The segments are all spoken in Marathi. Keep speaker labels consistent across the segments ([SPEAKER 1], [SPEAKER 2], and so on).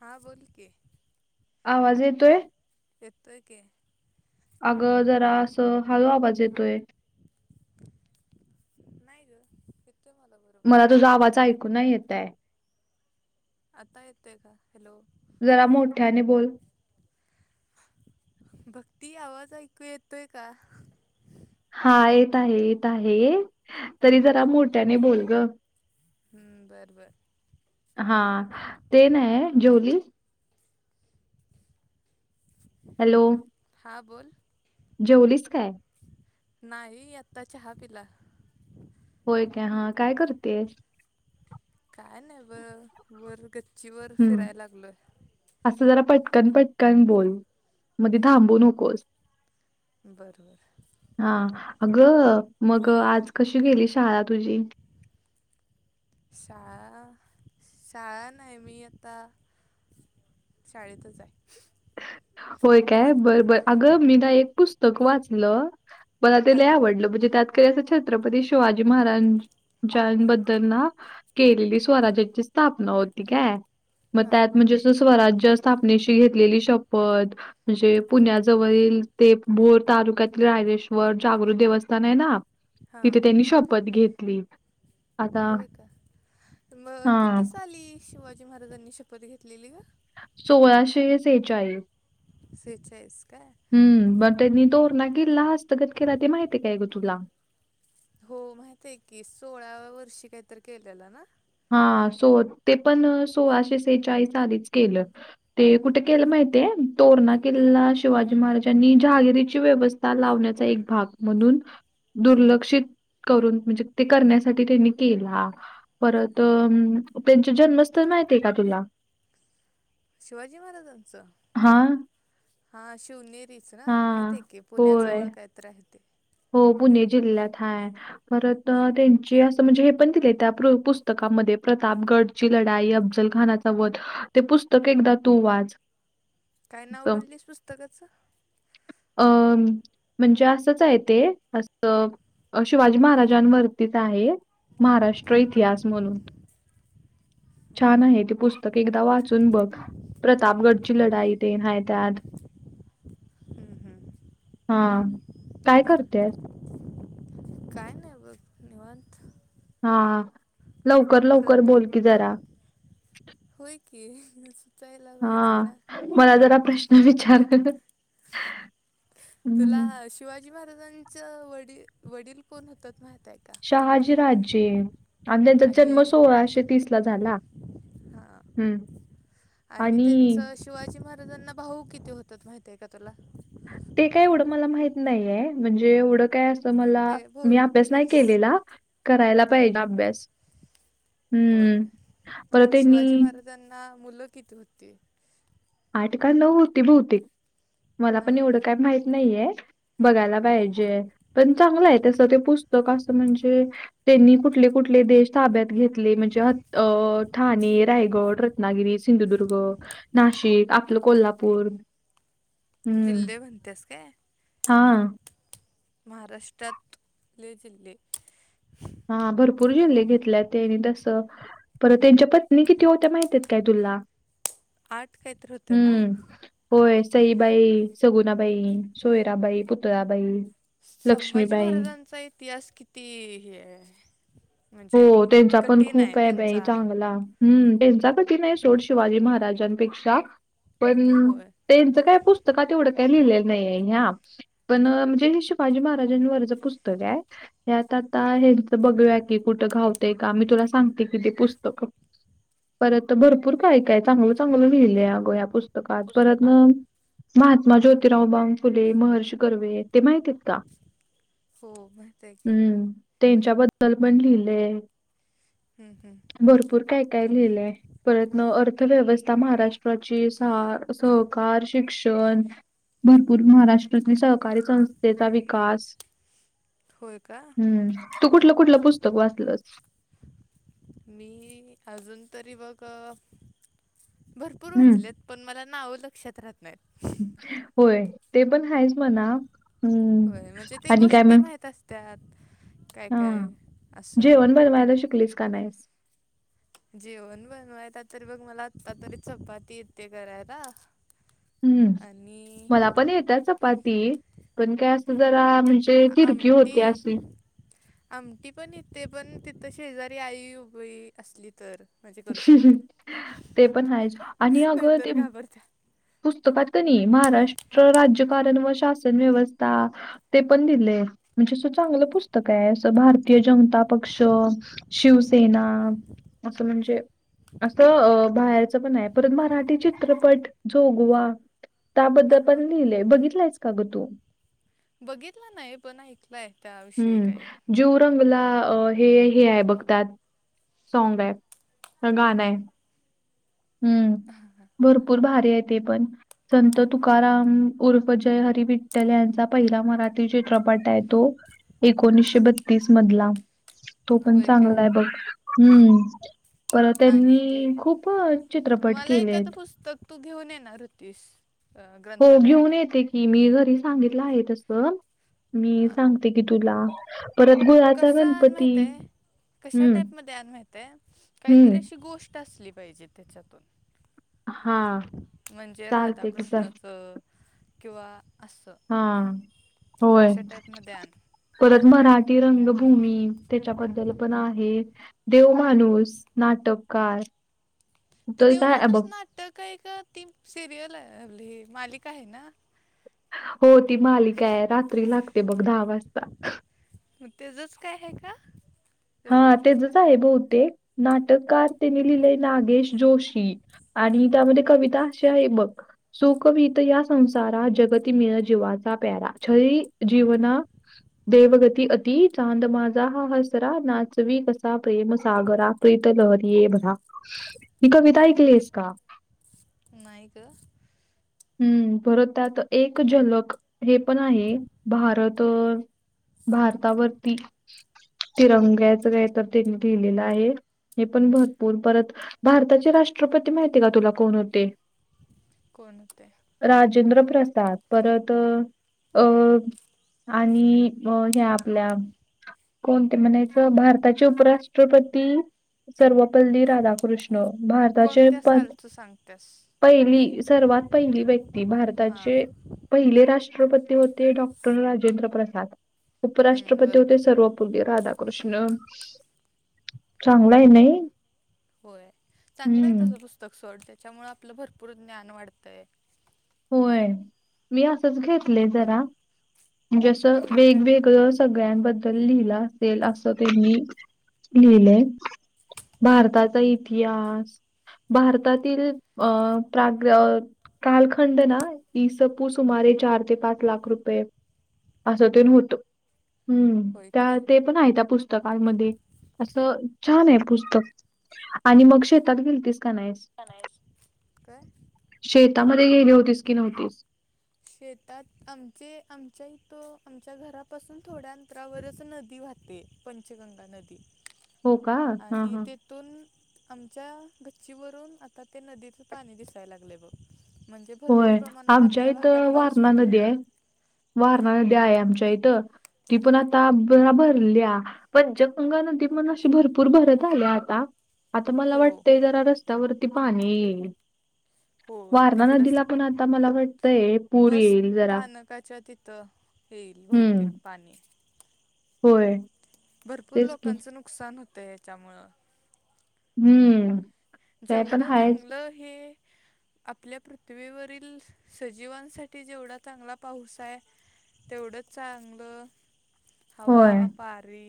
[SPEAKER 1] हा बोल की.
[SPEAKER 2] आवाज येतोय.
[SPEAKER 1] येतोय की.
[SPEAKER 2] अगं जरा असं हळू आवाज येतोय.
[SPEAKER 1] नाही ग येतोय मला बर
[SPEAKER 2] मला तुझा आवाज ऐकू नाय येताय.
[SPEAKER 1] आता येतोय का? हॅलो
[SPEAKER 2] जरा मोठ्याने बोल.
[SPEAKER 1] भक्ती, आवाज ऐकू येतोय का?
[SPEAKER 2] हा, येत आहे- येत आहे तरी जरा मोठ्याने बोल ग.
[SPEAKER 1] हम्म बरं -बरं.
[SPEAKER 2] हा ते नाही, जेवलीस? हॅलो
[SPEAKER 1] हा बोल.
[SPEAKER 2] जेवलीस काय?
[SPEAKER 1] नाही, आता चहा पिला.
[SPEAKER 2] होय काय हा, काय करतेयस?
[SPEAKER 1] काय नाही ब, वर गच्चीवर
[SPEAKER 2] हम्म
[SPEAKER 1] फिराय लागलोय.
[SPEAKER 2] असं जरा पटकन -पटकन बोल मधी थांबू नकोस.
[SPEAKER 1] बरं- बरं.
[SPEAKER 2] हा, अगं मग आज कशी गेली शाळा तुझी?
[SPEAKER 1] शाळा -शाळा नाही मी आता शाळेतच आय. [inaudible]
[SPEAKER 2] होय काय बरं -बर, अगं मी ना एक पुस्तक वाचलं. मला ते लय
[SPEAKER 1] हां
[SPEAKER 2] आवडलं म्हणजे त्यात ते असं छत्रपती शिवाजी महाराजांनबद्दल ना केलेली स्वराज्याची स्थापना होती काय. मग
[SPEAKER 1] हां
[SPEAKER 2] त्यात म्हणजे असं स्वराज्य स्थापनेशी घेतलेली शपथ, म्हणजे पुण्याजवळील ते भोर तालुक्यातील, रायेश्वर जागृक देवस्थान आहे ना.
[SPEAKER 1] हां
[SPEAKER 2] तिथे त्यांनी शपथ घेतली. आता,
[SPEAKER 1] होय का मग
[SPEAKER 2] हां.
[SPEAKER 1] किती साली शिवाजी महाराजांनी शपथ घेतलेली ग?
[SPEAKER 2] सोळाशे सेचाळीस.
[SPEAKER 1] सेचाळीस काय?
[SPEAKER 2] हम्म म त्यांनी तोरणा किल्ला हस्तगत केला ते माहितीय काय ग तुला?
[SPEAKER 1] हो माहित आहे की, सोळाव्या वर्षी काहीतरी केलेला ना.
[SPEAKER 2] हा सो ते पण सोळाशे सेहेचाळीस सालीच केलं. ते कुठे केलं माहििते तोरणा केला. शिवाजी महाराजांनी जहागिरीची व्यवस्था लावण्याचा एक भाग म्हणून. दुर्लक्षित करून म्हणजे ते करण्यासाठी त्यांनी केला. परत त्यांचे जन्मस्थळ माहिती आहे का तुला.
[SPEAKER 1] शिवाजी महाराजांचं.
[SPEAKER 2] हां.
[SPEAKER 1] हा शिवनेरीच ना माहित
[SPEAKER 2] हां.
[SPEAKER 1] आहे की पुण्याच
[SPEAKER 2] होय.
[SPEAKER 1] वळ कायत आहे ते.
[SPEAKER 2] हो पुणे जिल्ह्यात हाय. परत त्यांचे असं म्हणजे हे पण दिले त्या पुस्तकामध्ये प्रतापगड. ची लढाई अफ्जल खानाचा वध ते पुस्तक एकदा तू वाच.
[SPEAKER 1] काय नाव बोललेस पुस्तकाचं.
[SPEAKER 2] अ म्हणजे असंच आहे ते असं शिवाजी महाराजांवर. आहे महाराष्ट्र इतिहास म्हणून. छान आहे ते पुस्तक एकदा वाचून बघ प्रतापगडची लढाई ते नायत्यात.
[SPEAKER 1] हम्म हम्म
[SPEAKER 2] हा काय करते.
[SPEAKER 1] बग निवत.
[SPEAKER 2] हा लवकर लवकर
[SPEAKER 1] प्रथा
[SPEAKER 2] बोल की जरा.
[SPEAKER 1] होय की. सुचायला पाहिजे
[SPEAKER 2] हा
[SPEAKER 1] ना
[SPEAKER 2] मला जरा प्रश्न विचार.
[SPEAKER 1] तुला
[SPEAKER 2] हं.
[SPEAKER 1] शिवाजी महाराजांचं वडील वडील कोण होतात म्हहत आहेत.
[SPEAKER 2] शहाजी राजे आणि त्यांचा जन्म सोळाशे तीस ला झाला.
[SPEAKER 1] हा
[SPEAKER 2] हम्म आणि.
[SPEAKER 1] शिवाजी महाराजांना भाऊ किती होतात माहिती आहे का तुला.
[SPEAKER 2] ते काय एढं मला माहित नाहीये म्हणजे एढं काय अस. तर मला
[SPEAKER 1] ते
[SPEAKER 2] मी अभ्यास
[SPEAKER 1] बहुतेक
[SPEAKER 2] नाही केलेला करायला
[SPEAKER 1] हां
[SPEAKER 2] पाहिजे अभ्यास.
[SPEAKER 1] होय
[SPEAKER 2] हं. परत
[SPEAKER 1] आणि
[SPEAKER 2] त्यांनी
[SPEAKER 1] शिवाजी महाराजांना मुलं किती होती.
[SPEAKER 2] आठ का नऊ होती बहतिक मला पण एवढं
[SPEAKER 1] नाही
[SPEAKER 2] काय माहित नाहीये. बघायला
[SPEAKER 1] हा
[SPEAKER 2] पाहिजे. पण चांगलं आहे त्यासं ते पुस्तक असं म्हणजे त्यांनी कुठले कुठले देश ताब्यात घेतले. म्ह ठा रायगड रनागि संुदु नाशिक. आपलं कोल्हापूर. हं.
[SPEAKER 1] जल् बनते अस का.
[SPEAKER 2] हां.
[SPEAKER 1] महाराष्ट्रातले जिल्हे.
[SPEAKER 2] हा भरपूर झल्ले घेतल्या त्यांनी तस. परत त्यांच्या पत्नी किती होत्या माहिती आहेत काय तुला.
[SPEAKER 1] आठ कायतर हो.
[SPEAKER 2] हम्म. होय सईबाई सगुणाबाई सोयराबाई पुतळाबाई..
[SPEAKER 1] संभाजी
[SPEAKER 2] लक्ष्मीबाई.
[SPEAKER 1] महाराजांचा इतिहास किती हे. म्हणजे
[SPEAKER 2] हो त्यांचा पण
[SPEAKER 1] कठीण
[SPEAKER 2] खूप आहे बा
[SPEAKER 1] त्यांचा
[SPEAKER 2] चांगला. हम् त्यांचा कठी नाही सोड शिवाजी महाराजांपेक्षा पण.
[SPEAKER 1] होय
[SPEAKER 2] त्यांचं काय पुस्तकात तेवढं काय लिहिलेलं नाहीय ह्या. पण म्हणजे हे शिवाजी महाराजांवरच पुस्तक आहे त्यात आता हे बघू. घावते का मी तुला सांगते कि ते पुस्तक. परत भरपूर काय काय चांगलं चांगलं लिहिलंय अग या पुस्तकात परत न. महात्मा ज्योतिराव बाँग फुले महर्ष कर्वे. ते माहिती आहेत का
[SPEAKER 1] हो माहित आहे की
[SPEAKER 2] हम्म त्यांच्याबद्दल पण लिहिलेय.
[SPEAKER 1] हम्म हम्म.
[SPEAKER 2] भरपूर काय काय लिहिलंय? परत न अर्थव्यवस्था महाराष्ट्राची. सा- सहकार, शिक्षण भरपूर. महाराष्ट्रातील सहकारी संस्थेचा विकास.
[SPEAKER 1] होय का
[SPEAKER 2] हम्म. तू कुठलं- कुठलं पुस्तक वाचलस?
[SPEAKER 1] मी, अजून तरी बघ भरपूर
[SPEAKER 2] हं.
[SPEAKER 1] वाचलेत. पण मला, नावं लक्षात राहत नाहीत.
[SPEAKER 2] होय. ते पण हायच म्हणा. आणि काय मग.
[SPEAKER 1] त्यात. काय-
[SPEAKER 2] हां.
[SPEAKER 1] काय. असं.
[SPEAKER 2] जेवण बनवायला शिकलीस का, नाहीस?
[SPEAKER 1] जेवण बनवायला, तर बघ. मला आता तरी चपाती येते करायला.
[SPEAKER 2] हम्म.
[SPEAKER 1] आणि
[SPEAKER 2] मला पण येत्या चप पाती. पण काय जरा, म्हणजे तिरकी होत्या,
[SPEAKER 1] आमटी
[SPEAKER 2] अशी.
[SPEAKER 1] आमटी पण येते. पण तिथं, शेजारी आई उभी असली तर. म्हणजे करू शकते.
[SPEAKER 2] ते पण आहेच
[SPEAKER 1] [unintelligible]
[SPEAKER 2] आणि अगं
[SPEAKER 1] नाहीतर
[SPEAKER 2] ते
[SPEAKER 1] घाबरत्या.
[SPEAKER 2] पुस्तकात कनीय, महाराष्ट्र राज्यकारण व शासन व्यवस्था ते पण दिलय. म्हणजे अस चांगलं पुस्तकाय. असं भारतीय जनता पक्ष शिवसेना. असं म्हणजे असं बाहेरच पनाय. परत मराठी चित्रपट जोगवा. त्याबद्दल
[SPEAKER 1] हां हां
[SPEAKER 2] पण लिहिलंय. बघितलायस का ग, तू?
[SPEAKER 1] बघितला नाही. पण ऐकलाय. त्याविषयी
[SPEAKER 2] हम्म.
[SPEAKER 1] काय
[SPEAKER 2] जीव रंगला अ हे- हे आहे बघ, त्यात. साँगाय. ह
[SPEAKER 1] हम्म, हम्म.
[SPEAKER 2] गाणंय. हम्म, भरपूर भारीय ते पण. संत तुकाराम उर्फ जय हरि विठ्ठल यांचा पहिला मराठी चित्रपटाय तो. एकोणीसशे बत्तीस मधला. तो पण
[SPEAKER 1] होय काय
[SPEAKER 2] चांगलाय बघ. हम्म. परत
[SPEAKER 1] आणखी
[SPEAKER 2] त्यांनी खूप चित्रपट
[SPEAKER 1] मला
[SPEAKER 2] केलेत.
[SPEAKER 1] एखादं पुस्तक, तू घेऊन येणार होतीस? अ,
[SPEAKER 2] हो, घेऊन
[SPEAKER 1] ग्रंथालयातून
[SPEAKER 2] येते की. मी घरी सांगितलं आहे तसं. मी
[SPEAKER 1] हां
[SPEAKER 2] सांगते की, तुला. परत गुळाचा
[SPEAKER 1] कसं आण
[SPEAKER 2] गणपती.
[SPEAKER 1] माहित आहे कशा
[SPEAKER 2] हं,
[SPEAKER 1] टाईपमध्ये आण माहितय. काहीतरी,
[SPEAKER 2] हं.
[SPEAKER 1] अशी गोष्ट असली पाहिजे त्याच्यातून?
[SPEAKER 2] हां.
[SPEAKER 1] म्हणजे,
[SPEAKER 2] चालते की चल.
[SPEAKER 1] राधाकृष्णचं किंवा असं.
[SPEAKER 2] हा, होय.
[SPEAKER 1] अशा टाईपमध्ये आण
[SPEAKER 2] परत मराठी रंगभूमी. त्याच्याबद्दल पण आहे. देवमाणूस, नाटककार.
[SPEAKER 1] ते
[SPEAKER 2] तर काय
[SPEAKER 1] देवमाणूस
[SPEAKER 2] बघ
[SPEAKER 1] नाटकय का? ती सिरियल आहे आपलं मालिका हाय ना.
[SPEAKER 2] हो. ती मालिकाय. रात्री लागते बघ. दहा वाजता.
[SPEAKER 1] मग, तेजच काय हाय का?
[SPEAKER 2] हा,
[SPEAKER 1] वेगळं
[SPEAKER 2] तेजच आहे बहुतेक. नाटककार त्यांने लिहिलेय, नागेश जोशी. आणि त्यामध्ये, कविता अशी आहे. बघ सुखवित या संसारा. जगती मेळ जीवाचा प्यारा. छळी जीवना देवगती अति, चांद माझा हा हसर नाचवी कसा प्रेम सागरा. प्रीत लहरी ये भरा ही कविता ऐकलीयेस का?
[SPEAKER 1] नाही गं.
[SPEAKER 2] हम्म. परत त्यात एक झलक, हे पण आहे. भारत भारतावरती. तिरंग्याचं, काय तर त्यांनी लिहिलेलं आहे. हे पण भरपूर, परत भारताचे राष्ट्रपती, माहितीय का तुला कोण होते?
[SPEAKER 1] कोण, होते?
[SPEAKER 2] राजेंद्र प्रसाद. परत अं आणि अ हया आपल्या कोण ते, म्हणायचं? भारताचे उपराष्ट्रपती सर्व पल्ली राधाकृष्ण. भारताचे
[SPEAKER 1] कोणत्या
[SPEAKER 2] पद
[SPEAKER 1] सालचं सांगत्यास
[SPEAKER 2] पहिली, सर्वात पहिली व्यक्ती
[SPEAKER 1] हां
[SPEAKER 2] भारताचे पहिले राष्ट्रपती होते, डॉक्टर राजेंद्र प्रसाद
[SPEAKER 1] हं,
[SPEAKER 2] उपराष्ट्रपती
[SPEAKER 1] बरोबर
[SPEAKER 2] होते सर्व राधाकृष्ण चांगलंय नाहि?
[SPEAKER 1] होय चांगलं आहे तुझं पुस्तक सोड, त्याच्यामुळे आपलं भरपूर ज्ञान वाढतंय.
[SPEAKER 2] व्हय मी असंच घेतलंय जरा म्हणजे असं
[SPEAKER 1] होय का
[SPEAKER 2] वेगवेगळं सगळ्यांबद्दल लिहिलं असेल अस त्यांनी लिहिलंय
[SPEAKER 1] हं.
[SPEAKER 2] भारताचा इ तिहास भारतातील प प्रा कालखं खंड ना, इ. स. पू. सुमारे चार ते पाच लाख रुपये असं ते नं होतं, हम्म
[SPEAKER 1] होय
[SPEAKER 2] त्या
[SPEAKER 1] काय?
[SPEAKER 2] ते पण आहे त्या पुस्तकमध्ये असं छान आहे पुस्तक आणि मग शेतात गेलतीस का नाहीस
[SPEAKER 1] काय?
[SPEAKER 2] शेतामध्ये गेली होतीस की नव्हतीस?
[SPEAKER 1] शेतात आमचे आमच्या हित आमच्या घरापासून थोड्या अंतरावरच नदी वाहते. पंचगंगा नदी
[SPEAKER 2] हो का? हा
[SPEAKER 1] आणि
[SPEAKER 2] हा.
[SPEAKER 1] ते इतून आमच्या गच्चीवरून आता ते नदीचं पाणी दिसायला लागले बघ. म्हणजे भरपूर
[SPEAKER 2] होय
[SPEAKER 1] प्रमाणात
[SPEAKER 2] आमच्या
[SPEAKER 1] आपल्या भागात
[SPEAKER 2] इथं
[SPEAKER 1] पाऊस
[SPEAKER 2] वारणा
[SPEAKER 1] पडलाय.
[SPEAKER 2] नदी हाय,
[SPEAKER 1] हा
[SPEAKER 2] वारणा नदी हाय आमच्या इथं ती पण आता बरा भरल्या. पंचगंगा नदी पण अशी भरपूर भरत आले आता. आता मला
[SPEAKER 1] हो
[SPEAKER 2] वाटतंय जरा रस्त्यावरती पाणी येईल.
[SPEAKER 1] हो
[SPEAKER 2] वारणा
[SPEAKER 1] तिकडस
[SPEAKER 2] नदीला पण आता मला वाटतंय पूर
[SPEAKER 1] बस
[SPEAKER 2] येईल जरा.
[SPEAKER 1] स्थानकाच्या तितं येईल
[SPEAKER 2] हम्म.
[SPEAKER 1] बहुतेक पाणी
[SPEAKER 2] होय.
[SPEAKER 1] भरपूर
[SPEAKER 2] तेच की.
[SPEAKER 1] लोकांचं नुकसान होतं याच्यामुळं
[SPEAKER 2] हम्म. ते पण
[SPEAKER 1] जेवढं
[SPEAKER 2] आहेच.
[SPEAKER 1] चांगलं हे आपल्या पृथ्वीवरील सजीवांसाठी जेवढा चांगला पाऊस आहे तेवढंच चांगलं हवा
[SPEAKER 2] होय.
[SPEAKER 1] पारी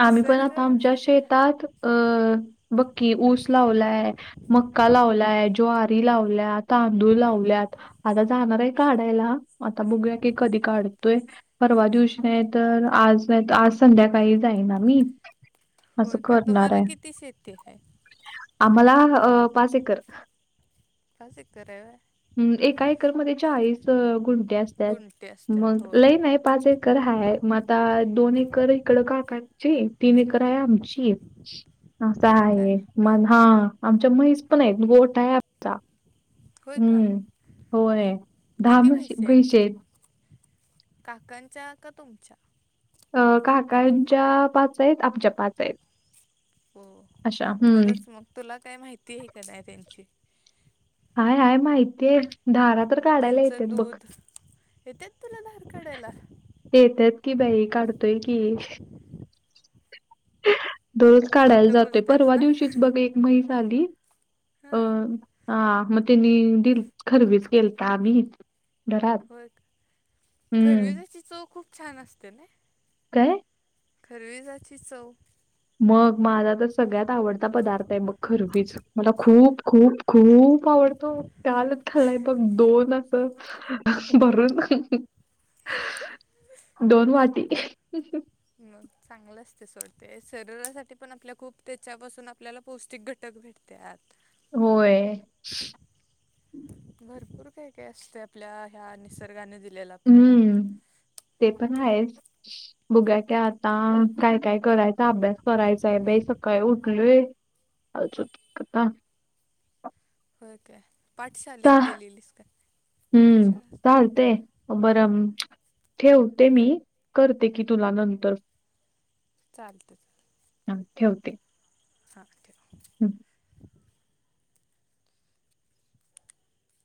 [SPEAKER 2] आम्ही पण
[SPEAKER 1] निसर्ग
[SPEAKER 2] आता आमच्या शेतात अं बघकी ऊस लावलाय मक्का लावलाय, ज्वारी लावल्या, तांदूळ लावल्यात आता जाणार आहे काढायला, आता बघूया की कधी काढतोय परवा दिवशी नाही तर आज नाही तं आज संध्याकाळी जाईना मी.
[SPEAKER 1] होय का तुम्हाला किती शेती हाय?
[SPEAKER 2] आम्हाला पाच एकर
[SPEAKER 1] का जिकर आहे.
[SPEAKER 2] ह एका एकरमध्येध्ये चाळीस गुंट असतात
[SPEAKER 1] गुंठे असतात
[SPEAKER 2] मग
[SPEAKER 1] होय
[SPEAKER 2] लईन आहे. पाच एकर हाय. म आता दोन एकर इकडं काकाची, तीन एकर आहे आमची. असा
[SPEAKER 1] होय का
[SPEAKER 2] हाये मन, हा आमच्या म्हैस पण आहेत गोठा आहे
[SPEAKER 1] होय का
[SPEAKER 2] हम्म होय दहा
[SPEAKER 1] किती
[SPEAKER 2] म्हशी
[SPEAKER 1] म्हैशी आहेत
[SPEAKER 2] पैशेयेत
[SPEAKER 1] काकांच्या का तुमच्या?
[SPEAKER 2] अं काकांच्या पाच आहेत आमच्या पाच आहेत.
[SPEAKER 1] हो
[SPEAKER 2] अशा. हं.
[SPEAKER 1] बरंच मग तुला काय माहिती आहे का नाही त्यांची
[SPEAKER 2] हय आहेय माहितीय आहे धारा तर काढायला येते ना बघ.
[SPEAKER 1] येतेच तुला धार काढायला.
[SPEAKER 2] येतच की बाई काढतोय की दररोज काढायला
[SPEAKER 1] खोटं
[SPEAKER 2] जातोय
[SPEAKER 1] बोलतेस
[SPEAKER 2] परवा
[SPEAKER 1] ना
[SPEAKER 2] दिवशीच बघ एक मैस आली अ.
[SPEAKER 1] हां
[SPEAKER 2] हा मग त्यांनी दि खरवीच केलताम.
[SPEAKER 1] होय का
[SPEAKER 2] हं.
[SPEAKER 1] खरविजची चव खूप छान असते ना.
[SPEAKER 2] काय?
[SPEAKER 1] खर जाची चव.
[SPEAKER 2] मग माझा तर सगळ्यात आवडता पदार्थ आहे मग खरवीच मला खूप खूप खूप आवडतो त्यालच खलाय बघ दोन बर. दोन वाटी.
[SPEAKER 1] म चांगलंच ते सोडते शरीरासाठी पण आपल्या खूप त्याच्यापासून आपल्याला पौष्टिक घट. उटक भेटतत.
[SPEAKER 2] होय.
[SPEAKER 1] भरपूर काय काय असते आपल्या ह्या निसर्गाने दिलेला आपल्याला
[SPEAKER 2] हम्म ते पण आहेच बुघा क आता काय काय? करायचा अभ्यास करायचाय बाई सकाळी उठलोयचतता.
[SPEAKER 1] हो काय
[SPEAKER 2] चा
[SPEAKER 1] पाठशालेेत गेलेलीस का कुठली
[SPEAKER 2] हम्म
[SPEAKER 1] शाळा असते.
[SPEAKER 2] चालतंय बरं ठेवते मी करते की तुला नंतर
[SPEAKER 1] चालतच.
[SPEAKER 2] ह ठेवते.
[SPEAKER 1] हां.
[SPEAKER 2] हम्.